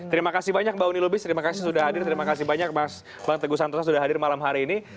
terima kasih banyak mbak uni lubis terima kasih sudah hadir terima kasih banyak mas bang teguh santosa sudah hadir malam hari ini